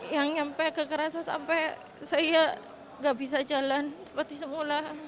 yang nyampe kekerasan sampai saya gak bisa jalan seperti semula